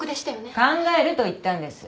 考えると言ったんです